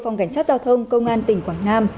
phòng cảnh sát giao thông công an tỉnh quảng nam